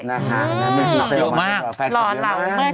นะฮะดีมากรอหลังมากเทียบมาก